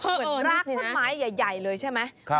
เหมือนรากต้นไม้ใหญ่เลยใช่ไหม